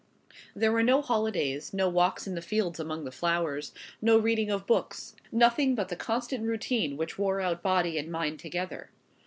There were no holidays, no walks in the fields among the flowers, no reading of books, nothing but the constant routine which wore out body and mind together.